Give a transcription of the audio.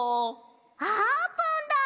あーぷんだ！